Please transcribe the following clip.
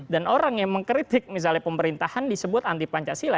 dan orang yang mengkritik misalnya pemerintahan disebut anti pancasila